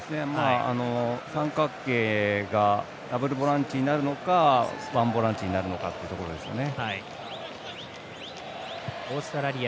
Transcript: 三角形がダブルボランチになるのかワンボランチになるのかというところですよね。